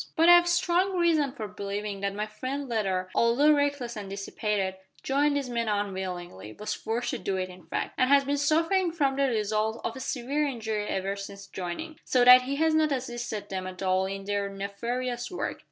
"But I have strong reason for believing that my friend Leather, although reckless and dissipated, joined these men unwillingly was forced to do it in fact and has been suffering from the result of a severe injury ever since joining, so that he has not assisted them at all in their nefarious work.